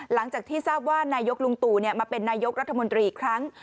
หลังจากที่ทราบว่านายกลุงตู่มาเป็นนายกรัฐมนตรีอีกครั้ง